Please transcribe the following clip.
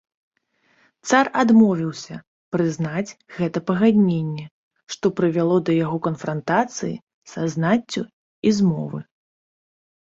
Цар адмовіўся прызнаць гэта пагадненне, што прывяло да яго канфрантацыі са знаццю і змовы.